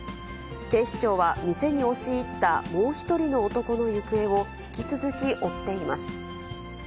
警視庁は、店に押し入ったもう１人の男の行方を引き続き追っています。